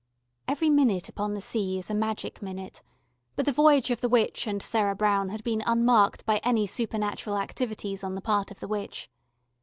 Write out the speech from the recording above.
Every minute upon the sea is a magic minute, but the voyage of the witch and Sarah Brown had been unmarked by any supernatural activities on the part of the witch.